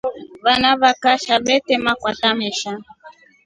Vana wa kshaka vete makwata meshe.